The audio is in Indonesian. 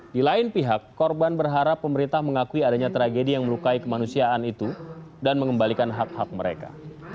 di lain pihak korban berharap pemerintah mengakui adanya tragedi yang melukai kemanusiaan itu dan mengembalikan hak hak mereka